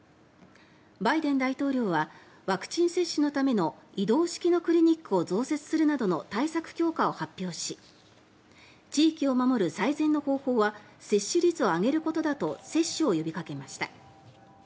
バイデン大統領はワクチン接種のための移動式のクリニックを増設するなどの対策強化を発表し地域を守る最善の方法は接種率を上げることだと接種を呼びかけました。